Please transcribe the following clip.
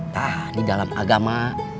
tah di dalam agama